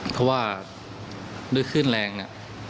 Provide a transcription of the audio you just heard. เพราะว่าด้วยคลื่นแรงเนี่ย